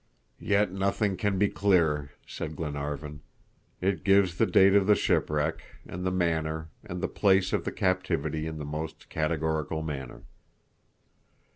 "Yet nothing can be clearer," said Glenarvan; "it gives the date of the shipwreck, and the manner, and the place of the captivity in the most categorical manner."